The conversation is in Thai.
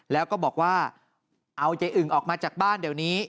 แล้วก็บอกว่าเอาใจอึ่งออกมาจากบ้านเดี๋ยวนี้